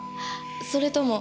それとも。